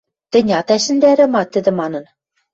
— Тӹнь ат ӓшӹндӓрӹ ма? — тӹдӹ манын.